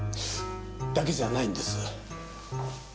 だけじゃないんです。